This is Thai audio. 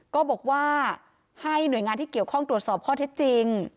ก็บอกว่าให้หน่วยงานที่เกี่ยวข้องตรวจสอบข้อเท็จจริง